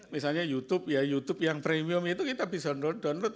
misalnya youtube ya youtube yang premium itu kita bisa download